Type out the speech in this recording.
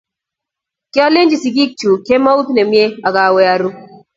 kiolenchi sikikchu,''kemout ne mie''ak owe oru